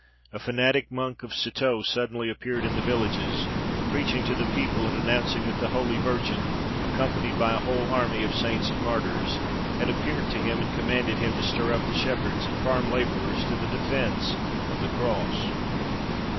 A fanatic monk of Citeaux suddenly appeared in the villages, preaching to the people, and announcing that the Holy Virgin, accompanied by a whole army of saints and martyrs, had appeared to him, and commanded him to stir up the shepherds and farm labourers to the defence of the cross.